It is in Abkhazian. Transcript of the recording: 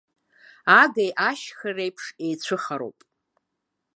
Агеи ашьхеи реиԥш еицәыхароуп.